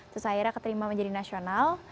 terus akhirnya keterima menjadi nasional